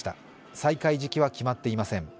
再開時期は決まっていません。